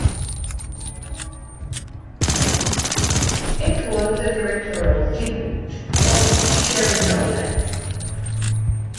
It was the directorial debut of Cherie Nowlan.